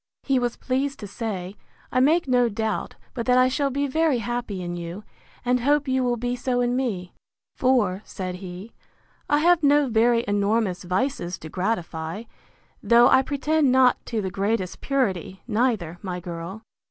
He was pleased to say, I make no doubt but that I shall be very happy in you; and hope you will be so in me: For, said he, I have no very enormous vices to gratify; though I pretend not to the greatest purity, neither, my girl.